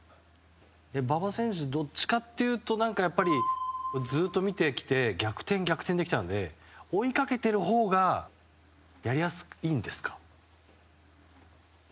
馬場選手どっちかというとずっと見てきて逆転、逆転できたので追いかけてるほうがやりやすいんですか？